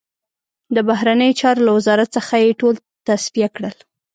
د بهرنیو چارو له وزارت څخه یې ټول تصفیه کړل.